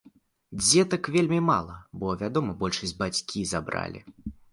Дзетак вельмі мала, бо, вядома, большасць бацькі забралі.